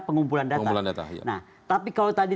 pengumpulan data nah tapi kalau tadi